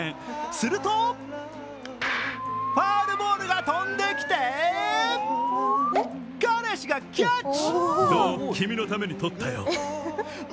するとファウルボールが飛んできて彼氏がキャッチ。